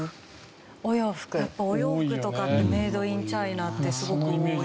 やっぱお洋服とかメイド・イン・チャイナってすごく多い。